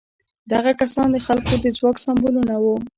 دغه کسان د خلکو د ځواک سمبولونه وو.